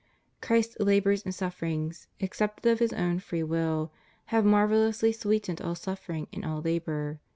^ Christ's labors and sufferings, accepted of His own free will, have marvellously sweetened all suffering and all labor.